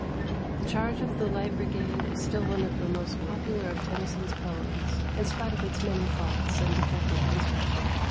"The Charge of the Light Brigade " is still one of the most popular of Tenn3'son's poems, in spite of its many faults, and defective con struction.